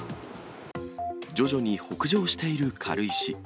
徐々に北上している軽石。